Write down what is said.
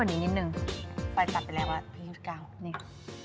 เดี๋ยวให้ข้นกว่านี้นิดนึง